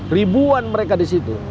ribuan mereka disitu